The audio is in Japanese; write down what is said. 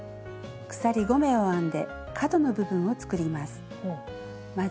鎖５目を編んで角の部分を作ります。